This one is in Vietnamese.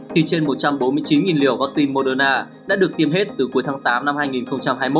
thì trên một trăm bốn mươi chín liều vaccine moderna đã được tiêm hết từ cuối tháng tám năm hai nghìn hai mươi một